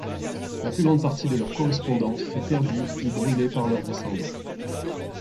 La plus grande partie de leur correspondance fut perdue ou brûlée par leurs descendants.